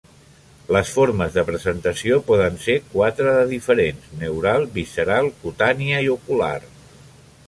Les formes de presentació poden ser quatre de diferents: neural, visceral, cutània i ocular.